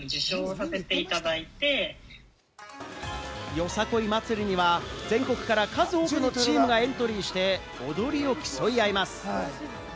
よさこい祭りには全国から数多くのチームがエントリーして踊りを競い合います。